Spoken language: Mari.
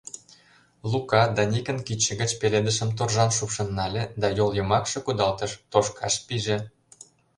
Лука Даникын кидше гыч пеледышым торжан шупшын нале да йол йымакше кудалтыш, тошкаш пиже.